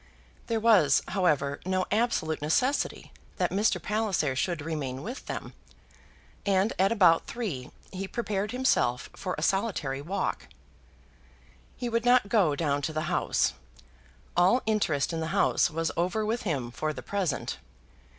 There was, however, no absolute necessity that Mr. Palliser should remain with them; and, at about three, he prepared himself for a solitary walk. He would not go down to the House. All interest in the House was over with him for the present.